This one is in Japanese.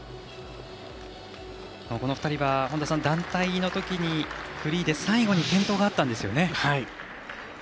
この２人は団体のときにフリーで最後に転倒があったんですよね。